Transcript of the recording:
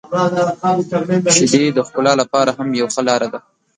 • شیدې د ښکلا لپاره هم یو ښه لاره ده.